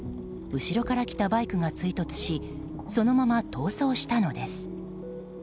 後ろから来たバイクが追突しそのまま逃走したのです。